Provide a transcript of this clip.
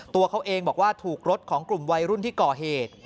ตัวเขาเองบอกว่าถูกรถของกลุ่มวัยรุ่นที่ก่อเหตุ